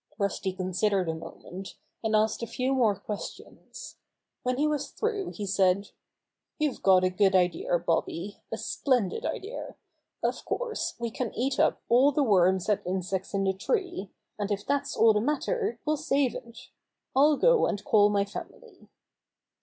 Rusty considered a moment, and asked a few more questions. When he was through he said: "You've got a good idea, Bobby, a splendid idea. Of course, we can eat up all the worms and insects in the tree, and if that's all the matter we'll save it. I'll go and call my family."